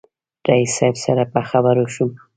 رئیس صاحب سره په خبرو شوم.